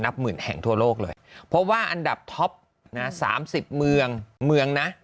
นับหมื่นแห่งทั่วโลกเลยเพราะว่าอันดับท็อป๓๐เมืองนะ